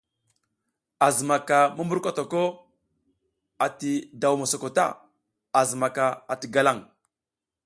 A zimaka mumburkotok ati daw mosoko ta, a zimaka ti galaŋ.